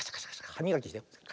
はみがきしてるの。